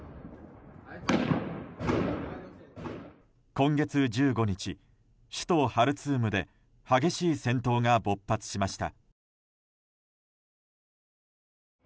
今月１５日、首都ハルツームで激しい戦闘が勃発しました。